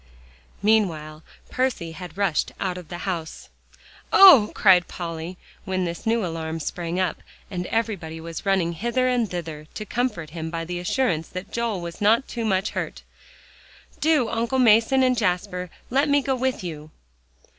Meanwhile Percy had rushed out of the house. "Oh!" cried Polly, when this new alarm sprang up, and everybody was running hither and thither to comfort him by the assurance that Joel was not much hurt, "do, Uncle Mason and Jasper, let me go with you."